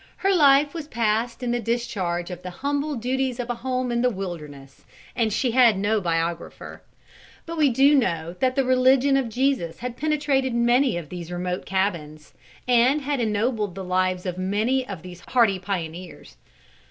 Her life was passed in the discharge of the humble duties of a home in the wilderness, and she had no biographer. But we do know that the religion of Jesus had penetrated many of these remote cabins, and had ennobled the lives of many of these hardy pioneers.